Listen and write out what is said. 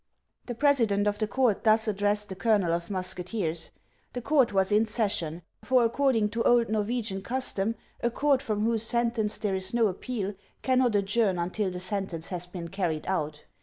The president of the court thus addressed the colonel of musketeers. The court was in session ; for according to old Norwegian custom, a court from whose sentence there is no appeal cannot adjourn until the sentence has been carried out.